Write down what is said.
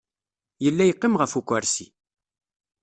Yella yeqqim ɣef ukersi.